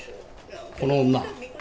この女。